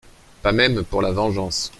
Pas même pour la vengeance.